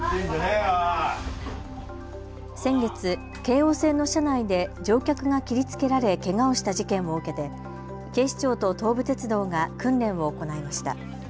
先月、京王線の車内で乗客が切りつけられけがをした事件を受けて警視庁と東武鉄道が訓練を行いました。